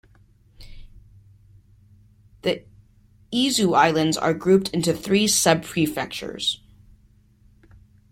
The Izu Islands are grouped into three subprefectures.